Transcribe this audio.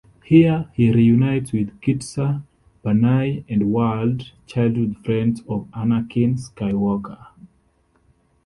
Here, he reunites with Kitster Banai and Wald, childhood friends of Anakin Skywalker.